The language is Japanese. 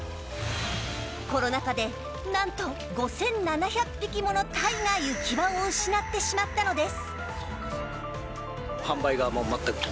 コロナ禍で、何と５７００匹のタイが行き場を失ってしまったのです。